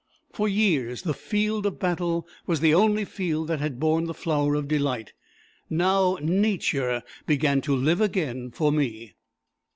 For years the field of battle was the only field that had borne the flower of delight; now nature began to live again for me.